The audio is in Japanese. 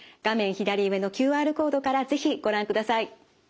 左上のＱＲコードから是非ご覧ください。